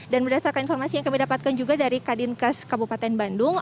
dan berdasarkan informasi yang kami dapatkan juga dari kadinkas kabupaten bandung